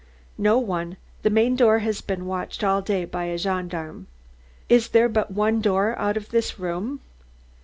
"No one. The main door has been watched all day by a gendarme." "Is there but one door out of this room?"